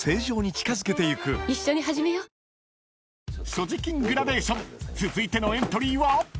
［所持金グラデーション続いてのエントリーは］